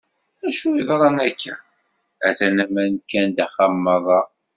D acu yeḍran akka? Atan aman kkan-d axxam merra.